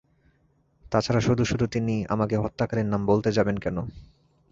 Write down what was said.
তা ছাড়া শুধু-শুধু তিনি আমাকে হত্যাকারীর নাম বলতে যাবেন কোন?